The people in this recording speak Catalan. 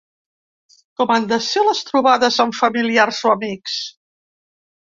Com han de ser les trobades amb familiars o amics?